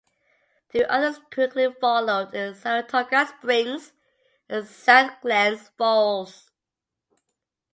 Two others quickly followed, in Saratoga Springs and South Glens Falls.